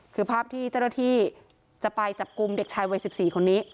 คือภาพที่เจ้าหน้าที่จะไปจับกลุ่มเด็กชายวัย๑๔คนนี้